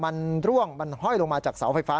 มันร่วงมันห้อยลงมาจากเสาไฟฟ้า